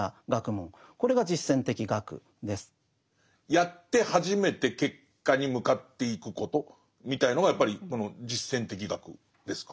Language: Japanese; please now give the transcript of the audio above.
やって初めて結果に向かっていくことみたいのがやっぱりこの実践的学ですか？